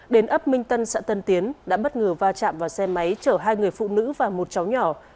đến ấp minh tân xã tân tiến đã bất ngờ va chạm vào xe máy chở hai người phụ nữ và một cháu nhỏ